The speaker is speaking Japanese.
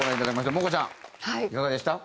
萌歌ちゃんいかがでした？